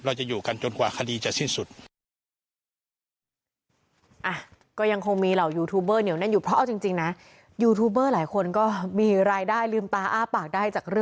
เราจะอยู่กันจนกว่าคดีจะสิ้นสุด